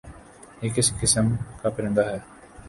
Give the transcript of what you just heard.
یہ کس قِسم کا پرندہ ہے؟